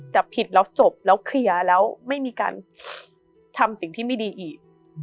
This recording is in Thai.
จับผิดแล้วจบแล้วเคลียร์แล้วไม่มีการทำสิ่งที่ไม่ดีอีก